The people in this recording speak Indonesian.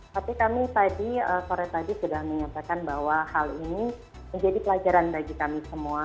tapi kami tadi sore tadi sudah menyampaikan bahwa hal ini menjadi pelajaran bagi kami semua